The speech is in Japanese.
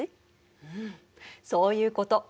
うんそういうこと。